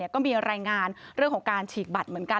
ก็มีรายงานเรื่องของการฉีกบัตรเหมือนกัน